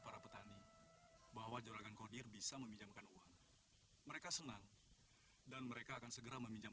para petani bahwa juragan kodir bisa meminjamkan uang mereka senang dan mereka akan segera meminjam